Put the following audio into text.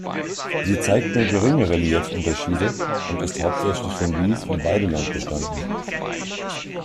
Sie zeigt nur geringe Reliefunterschiede und ist hauptsächlich von Wies- und Weideland bestanden.